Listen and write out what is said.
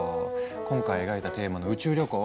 今回描いたテーマの「宇宙旅行」